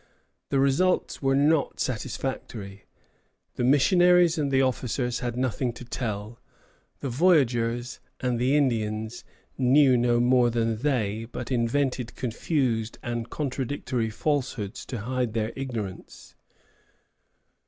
The results were not satisfactory. The missionaries and the officers had nothing to tell; the voyagers and Indians knew no more than they, but invented confused and contradictory falsehoods to hide their ignorance.